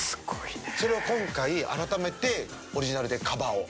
それを、今回、改めてオリジナルでカバーを。